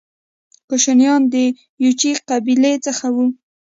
کوشانیان د یوچي قبیلې څخه وو